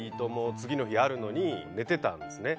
次の日あるのに寝てたんですね。